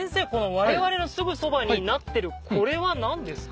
われわれのすぐそばになってるこれは何ですか？